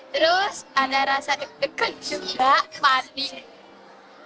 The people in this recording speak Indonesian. terus ada rasa deg degan juga manis